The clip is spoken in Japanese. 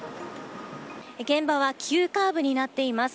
現場は急カーブになっています。